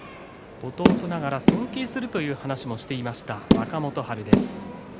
弟ながら尊敬するという話もしていた若元春です。